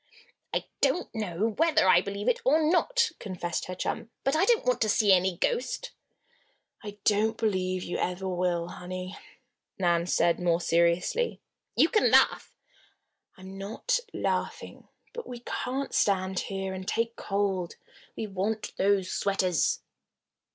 "I don't know whether I believe it or not," confessed her chum. "But I don't want to see any ghost." "I don't believe you ever will, honey," Nan said, more seriously. "You can laugh " "I'm not laughing: But we can't stand here and take cold. We want those sweaters."